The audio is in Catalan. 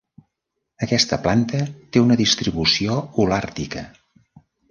Aquesta planta té una distribució holàrtica.